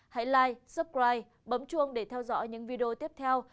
hãy like subscribe bấm chuông để theo dõi những video tiếp theo